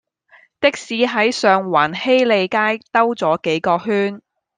的士喺上環禧利街兜左幾個圈